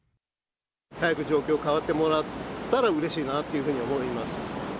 早く状況が変わってもらったら、うれしいなというふうに思います。